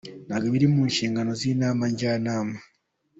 Ntabwo biri mu nshingano z’Inama Njyanama.